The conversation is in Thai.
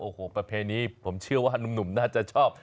โอ้โหประเพณีผมเชื่อว่านุ่มน่าจะชอบ